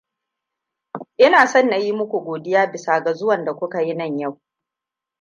Ina son na yi muku godiya bisa ga zuwan da kuka yi nan yau.